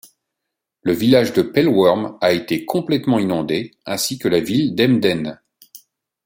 Le village de Pellworm a été complètement inondé, ainsi que la ville d'Emden.